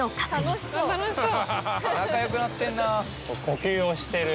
仲良くなってんな。